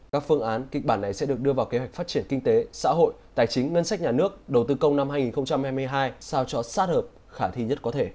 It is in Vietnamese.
các phương án kịch bản này sẽ được đưa vào kế hoạch phát triển kinh tế xã hội tài chính ngân sách nhà nước đầu tư công năm hai nghìn hai mươi hai sao cho sát hợp khả thi nhất có thể